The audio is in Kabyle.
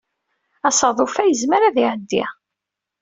Asaḍuf-a yezmer ad iɛeddi.